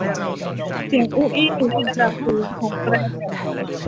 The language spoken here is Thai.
เสียงอู้อี้อยู่ในระดับสูงของแตร